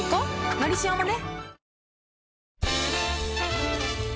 「のりしお」もね